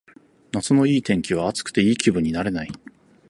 夏のいい天気は暑くていい気分になれない